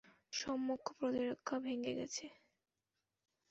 সম্মুখ প্রতিরক্ষা ভেঙ্গে গেছে!